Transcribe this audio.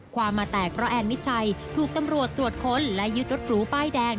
ความมาแตกเพราะแอนมิดชัยถูกตำรวจตรวจค้นและยึดรถหรูป้ายแดง